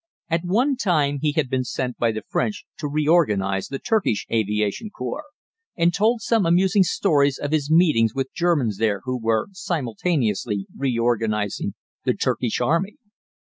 At one time he had been sent by the French to reorganize the Turkish aviation corps, and told some amusing stories of his meetings with Germans there who were simultaneously reorganizing the Turkish army.